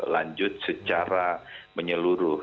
lanjut secara menyeluruh